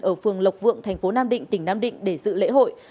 ở phường lộc vượng tp nam định tỉnh nam định để dự lễ hội